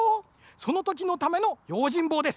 そのときのためのようじんぼうです。